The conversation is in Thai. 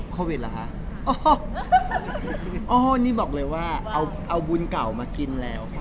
โควิดหรอคะโอ้นี่บอกเลยว่าเอาบุญเก่ามากินแล้ว